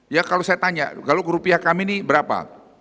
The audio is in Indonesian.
ya kalau saya tanya kalau ke rupiah kami ini berapa